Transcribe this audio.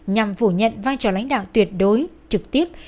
nhằm phủ nhận vai trò lãnh đạo tuyệt đối trực tiếp